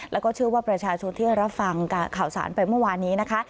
แล้วก็เชื่อว่าประชาชนที่รับฟังข่าวสารไปเมื่อวานนี้นะคะ